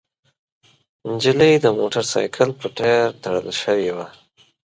نجلۍ د موټرسايکل په ټاير تړل شوې وه.